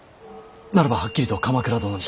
ならばはっきりと鎌倉殿に。